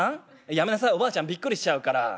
やめなさいおばあちゃんびっくりしちゃうから。